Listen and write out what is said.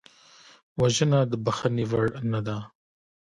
وژنه د بښنې وړ نه ده